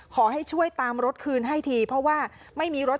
ขอให้ช่วยตามรถคืนให้ที